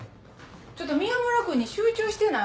ちょっと宮村君に集中してない？